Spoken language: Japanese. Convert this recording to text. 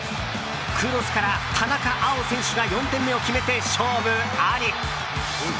クロスから田中碧選手が４点目を決めて勝負あり。